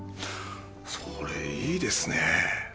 それいいですね。